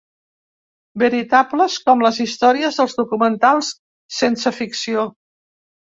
Veritables com les històries dels documentals sense ficció.